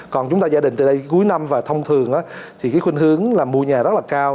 còn chúng ta gia đình từ đây cuối năm và thông thường thì cái khuyên hướng là mua nhà rất là cao